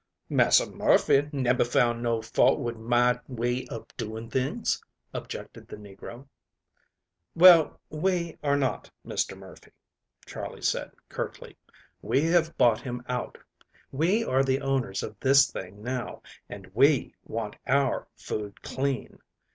"Massa Murphy nebber found no fault wid my way ob doing things," objected the negro. "Well, we are not Mr. Murphy," Charley said curtly. "We have bought him out. We are the owners of this thing now, and we want our food clean.